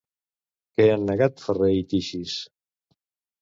Què han negat Ferrer i Tixis?